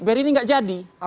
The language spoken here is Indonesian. biar ini tidak jadi